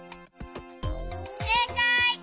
せいかい！